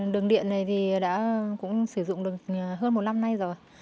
đường điện này thì đã cũng sử dụng được hơn một năm nay rồi